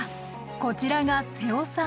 こちらが瀬尾さん